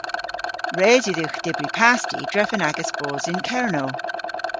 Res yw dhywgh dybri pasti drefen agas bos yn Kernow.